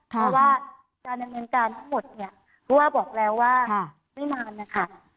เพราะว่าการดำเนินการทั้งหมดเนี่ยผู้ว่าบอกแล้วว่าไม่นานนะคะ